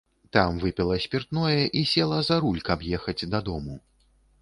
Там выпіла спіртное і села за руль, каб ехаць дадому.